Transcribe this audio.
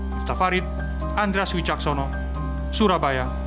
miftah farid andras wicaksono surabaya